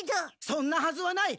そんなはずはない！